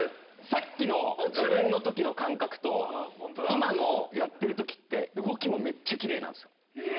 さっきの自分の時の感覚と今のやってる時って動きもめっちゃキレイなんすよ。